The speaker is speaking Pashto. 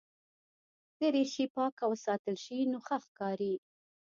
دریشي پاکه وساتل شي نو ښه ښکاري.